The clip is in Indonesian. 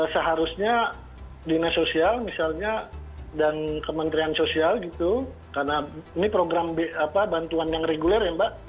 seharusnya dinas sosial misalnya dan kementerian sosial gitu karena ini program bantuan yang reguler ya mbak